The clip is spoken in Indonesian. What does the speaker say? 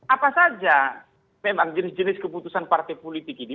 apa saja memang jenis jenis keputusan partai politik ini